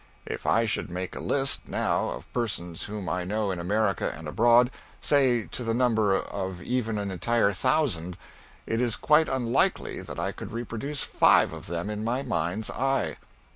If I should make a list, now, of persons whom I know in America and abroad say to the number of even an entire thousand it is quite unlikely that I could reproduce five of them in my mind's eye.